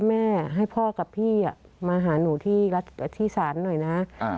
แม่ให้พ่อกับพี่มาหาหนูที่ศาลหน่อยนะ